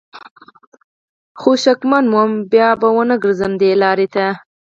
خو شکمن وم بیا به ونه ګرځم دې لار ته